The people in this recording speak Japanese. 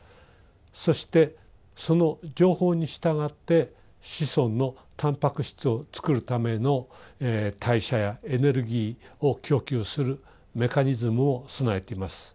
そしてその情報に従って子孫のたんぱく質をつくるための代謝やエネルギーを供給するメカニズムを備えています。